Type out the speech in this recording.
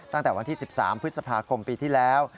ตั้งแต่วันที่๑๓พฤษภาคมปีที่แล้ว